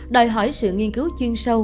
đòi hỏi sự nghiên cứu chuyên sâu